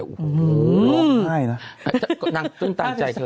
๕๓บาท